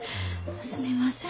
すみません。